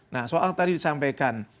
nah soal tadi disampaikan